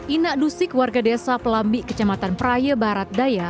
inak dusik warga desa pelambi kecamatan prai barat daya